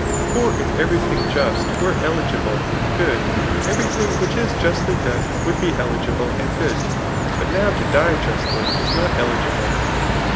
For if every thing just were eligible and good, every thing which is justly done would be eligible and good ; biit now to die justly is not eligible.